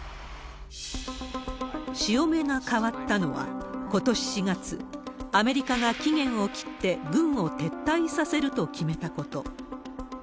潮目が変わったのはことし４月、アメリカが期限を切って軍を撤退させると決めたこと。